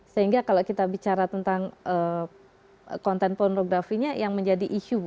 sehingga kalau kita bicara tentang konten pornografinya yang menjadi isu